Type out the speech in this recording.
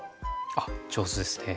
あっ上手ですね。